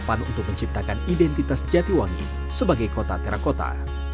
harapan untuk menciptakan identitas jatiwangi sebagai kota terakota